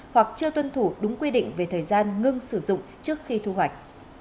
hoặc chưa tuân thủ đúng quy định về thời gian ngưng sử dụng trước khi thu hoạch